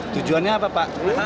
tujuannya apa pak